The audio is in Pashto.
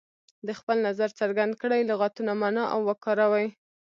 د خپل نظر څرګند کړئ لغتونه معنا او وکاروي.